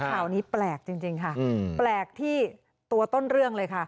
ข่าวนี้แปลกจริงค่ะแปลกที่ตัวต้นเรื่องเลยค่ะ